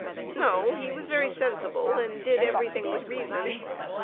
No, he was very sensible and did everything with reason.